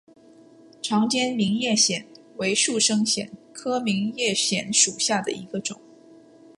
长尖明叶藓为树生藓科明叶藓属下的一个种。